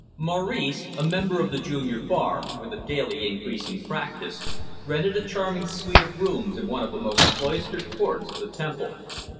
Maurice, a member of the junior bar, with a daily increasing practice, rented a charming suite of rooms in one of the most cloistered courts of the Temple.